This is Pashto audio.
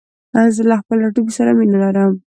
زه له خپل ټاټوبي سره مينه لرم.